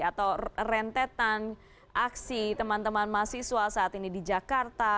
atau rentetan aksi teman teman mahasiswa saat ini di jakarta